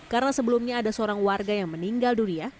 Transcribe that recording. karena sebelumnya ada seorang warga yang meninggal dunia